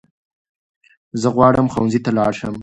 زه غواړم ښونځي ته لاړشم